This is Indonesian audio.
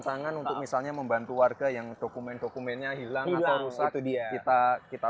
tangan untuk misalnya membantu warga yang dokumen dokumennya hilang rusak itu dia kita kita